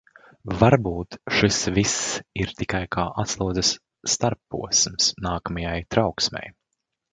Varbūt šis viss ir tikai kā atslodzes starpposms nākamajai trauksmei.